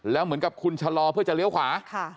แล้วเหมือนกับคุณชะลอเพื่อจะเลี้ยวขวา